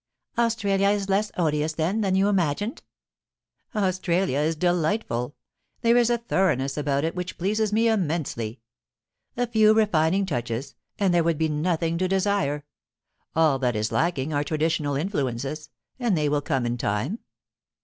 * Australia is less odious, then, than you imagined ?*' Australia is delightful. There is a thoroughness about it which pleases me immensely. A few refining touches, and there would be nothing to desire. All that is lacking are traditional influences, and they will come in time.'